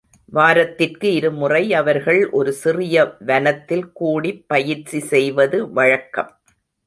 வாரத்திற்கு இருமுறை அவர்கள் ஒரு சிறிய வனத்தில் கூடிப் பயிற்சி செய்வது வழக்கம்.